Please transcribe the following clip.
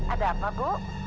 ada apa bu